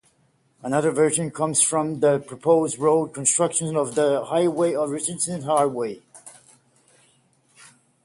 Another version comes from the proposed road construction of the highway to Richardson Highway.